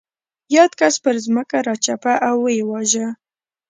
یاد کس پر ځمکه راچپه او ویې واژه.